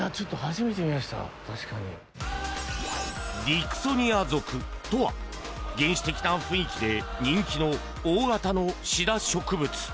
ディクソニア属とは原始的な雰囲気で人気の大型のシダ植物。